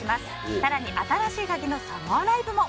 更に、「新しいカギ」のサマーライブも。